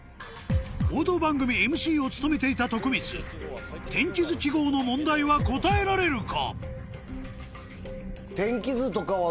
報道番組ＭＣを務めていた徳光天気図記号の問題は答えられるか？